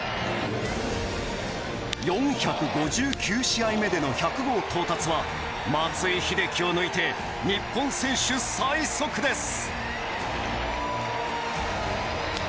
４５９試合目での１００号到達は松井秀喜を抜いて日本選手最速です！